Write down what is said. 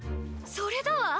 それだわ！